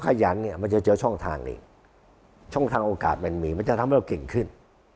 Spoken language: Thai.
มันจะเจอช่องทางออกาศมีมันจะทำให้เราเก่งขึ้น